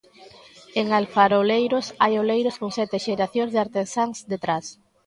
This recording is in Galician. En 'Alfaroleiros' hai oleiros con sete xeracións de artesáns detrás.